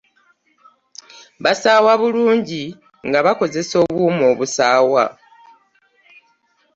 Basaawa bulunji nga bakozesa obwuma obusaawa .